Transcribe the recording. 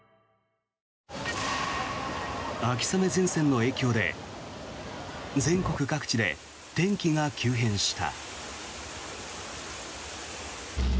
秋雨前線の影響で全国各地で天気が急変した。